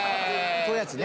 こういうやつね。